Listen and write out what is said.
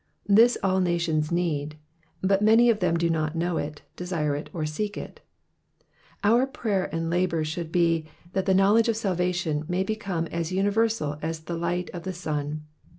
This all nations need, but many of them do not know it, desire it, or seek it ; our prayer and labour should be, that the knowledge of salvation may become as universal as the light of the sun.